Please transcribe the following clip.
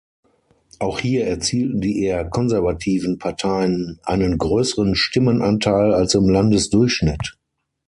Auch hier erzielten die eher konservativen Parteien einen größeren Stimmenanteil als im Landesdurchschnitt.